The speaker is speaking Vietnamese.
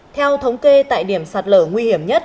theo thống kê tại điểm sạt lở nguy hiểm nhất